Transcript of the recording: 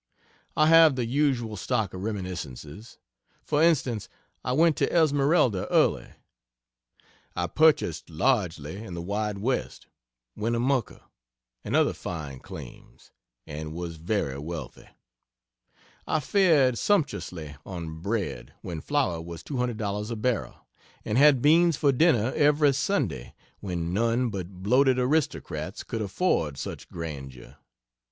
I have the usual stock of reminiscences. For instance: I went to Esmeralda early. I purchased largely in the "Wide West," "Winnemucca," and other fine claims, and was very wealthy. I fared sumptuously on bread when flour was $200 a barrel and had beans for dinner every Sunday, when none but bloated aristocrats could afford such grandeur.